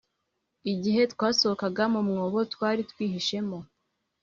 Igihe twasohokaga mu mwobo twari twihishemo